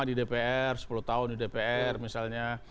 di dpr sepuluh tahun di dpr misalnya